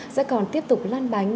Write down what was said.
sẽ còn tiếp tục lan bánh